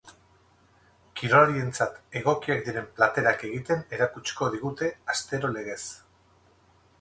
Kirolarientzat egokiak diren platerak egiten erakutsiko digute, astero legez.